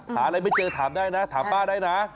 หาอะไรไม่เจอถามได้นะถามป้าได้นะ